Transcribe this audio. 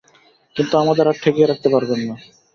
কিন্তু আমাদের আর ঠেকিয়ে রাখতে পারবেন না।